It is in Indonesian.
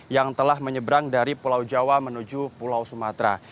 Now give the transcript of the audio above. yang telah menyeberang dari pulau jawa menuju pulau sumatera